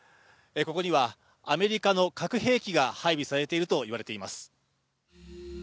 ここにはアメリカの核兵器が配備されていると言われています。